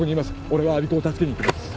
俺は我孫子を助けに行きます